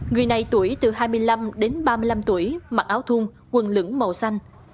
người này tuổi từ hai mươi năm đến ba mươi năm tuổi mặc áo thun quần lửng màu xanh